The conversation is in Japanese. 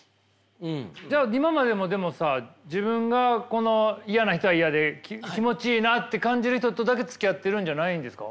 じゃあ今までも自分がこの嫌な人は嫌で気持ちいいなって感じる人とだけつきあっているんじゃないんですか。